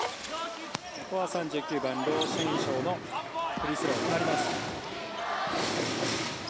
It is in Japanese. ここは３９番ロ・シュンショウのフリースローになります。